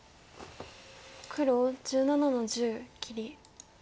黒１７の十切り。